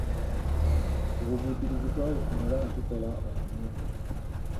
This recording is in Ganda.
Obuvujjirizi twabufuna era ne tukola omulimu.